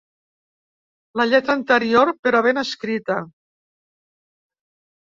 La lletra anterior però ben escrita.